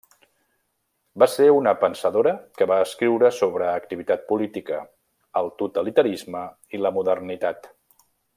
Va ser una pensadora que va escriure sobre activitat política, el totalitarisme i la modernitat.